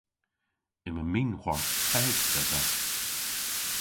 Yma minhwarth teg dhedha.